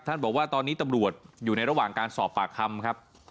บอกว่าตอนนี้ตำรวจอยู่ในระหว่างการสอบปากคำครับ